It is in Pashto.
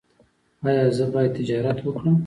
ایا زه باید تجارت وکړم؟